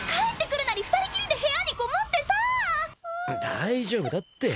大丈夫だって。